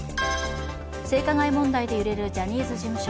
性加害問題で揺れるジャニーズ事務所。